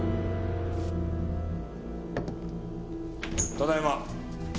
ただいま。